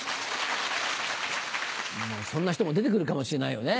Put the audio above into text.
そんな人も出て来るかもしれないよね。